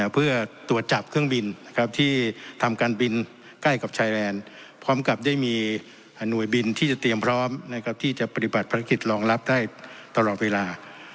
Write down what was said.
เพื่อตรวจจับเครื่องบินที่ทำการบินใกล้กับชายแดนพร้อมกับได้มีหน่วยบินที่จะเตรียมพร้อมที่จะปฏิบัติภารกิจรองรับได้ตลอดเวลา